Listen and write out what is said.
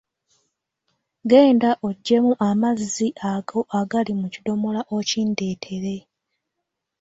Genda oggyemu amazzi ago agali mu kidomola okindeetere.